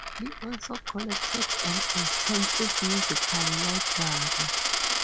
He also collected an extensive musical library.